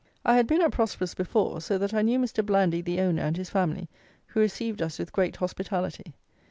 I had been at Prosperous before; so that I knew Mr. Blandy, the owner, and his family, who received us with great hospitality.